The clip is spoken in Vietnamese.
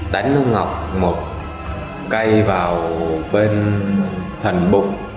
đánh ông ngọc một cây vào bên thần bục